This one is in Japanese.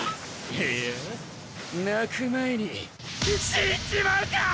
いや泣く前に死んじまうかぁ！